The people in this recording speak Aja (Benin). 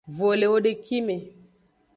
Vo le ewodeki me.